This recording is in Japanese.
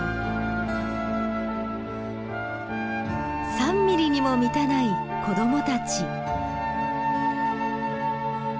３ミリにも満たない子供たち。